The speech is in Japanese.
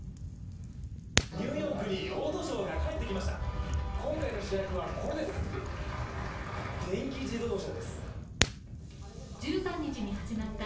ニューヨークにオートショーが帰ってきました。